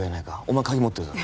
お前鍵持ってるだろ